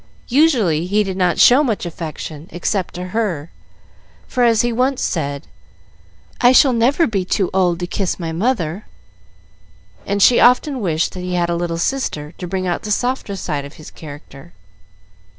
Usually he did not show much affection except to her, for, as he once said, "I shall never be too old to kiss my mother," and she often wished that he had a little sister, to bring out the softer side of his character.